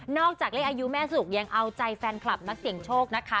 จากเลขอายุแม่สุกยังเอาใจแฟนคลับนักเสี่ยงโชคนะคะ